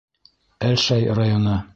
Әлшәй районы.